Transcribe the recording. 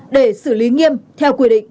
để xử lý nghiêm theo quy định